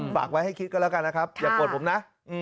ฝากไว้ให้คิดกันละกันนะครับอย่าปลดผมนะ